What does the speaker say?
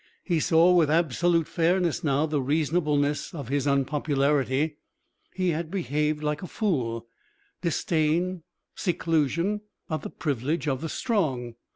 He saw with absolute fairness now the reasonableness of his unpopularity. He had behaved like a fool. Disdain, seclusion, are the privilege of the strong.